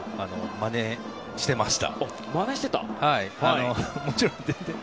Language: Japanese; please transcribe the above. まねしてました。